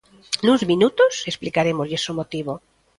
Nuns minutos explicarémoslles o motivo.